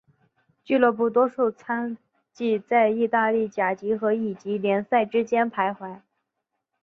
俱乐部多数赛季在意大利甲级和乙级联赛之间徘徊。